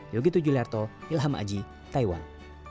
yogi tujuh larto ilham aji taiwan